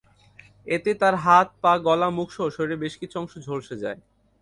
এতে তাঁর হাত, পা, গলা-মুখসহ শরীরের বেশ কিছু অংশ ঝলসে যায়।